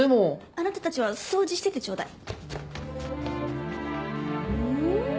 あなたたちは掃除しててちょうだい。